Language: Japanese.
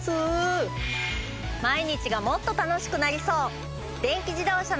毎日がもっと楽しくなりそう！